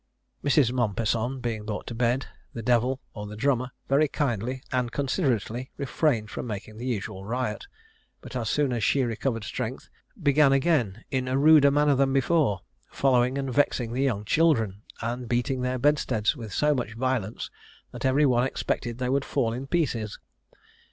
Mrs. Mompesson being brought to bed, the devil, or the drummer, very kindly and considerately refrained from making the usual riot; but, as soon as she recovered strength, began again, "in a ruder manner than before, following and vexing the young children, and beating their bedsteads with so much violence that every one expected they would fall in pieces."